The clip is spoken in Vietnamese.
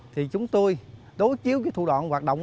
thì chúng tôi đối chiếu với thủ đoạn hoạt động